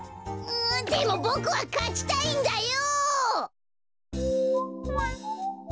でもボクはかちたいんだよ！